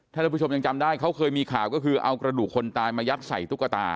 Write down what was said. ท่านผู้ชมยังจำได้เขาเคยมีข่าวก็คือเอากระดูกคนตายมายัดใส่ตุ๊กตา